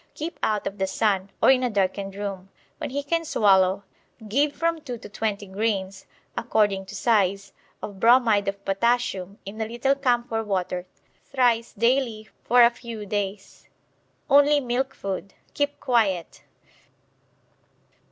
Keep out of the sun, or in a darkened room. When he can swallow give from 2 to 20 grains (according to size) of bromide of potassium in a little camphor water thrice daily for a few days. Only milk food. Keep quiet.